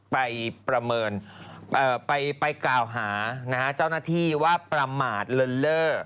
ไปประเมินไปกล่าวหาเจ้าหน้าที่ว่าประมาทเลินเล่อ